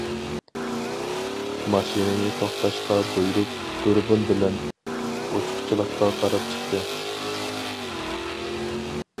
ماشىنىنى توختاشقا بۇيرۇپ، دۇربۇن بىلەن ئوچۇقچىلىققا قاراپ چىقتى.